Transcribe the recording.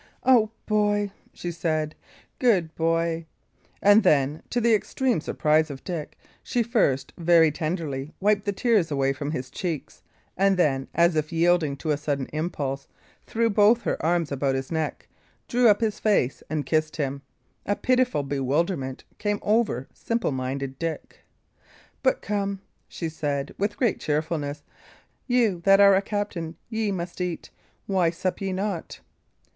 "O boy," she said "good boy!" And then, to the extreme surprise of Dick, she first very tenderly wiped the tears away from his cheeks, and then, as if yielding to a sudden impulse, threw both her arms about his neck, drew up his face, and kissed him. A pitiful bewilderment came over simple minded Dick. "But come," she said, with great cheerfulness, "you that are a captain, ye must eat. Why sup ye not?"